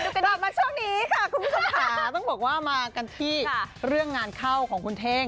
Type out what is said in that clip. กลับมาช่วงนี้ค่ะคุณผู้ชมค่ะต้องบอกว่ามากันที่เรื่องงานเข้าของคุณเท่ง